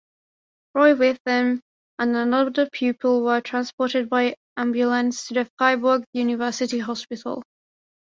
Roy Witham and another pupil were transported by ambulance to the Freiburg University Hospital.